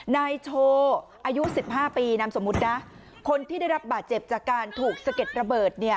ในโทรอายุ๑๕ปีนำสมมตินะคนที่ได้รับบาดเจ็บจากการถูกสะเก็ดระเบิด